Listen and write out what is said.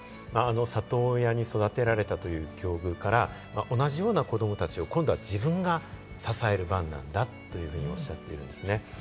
里親に育てられたという境遇から同じようなこどもたちを今度は自分が支える番なんだとおっしゃっているんですね。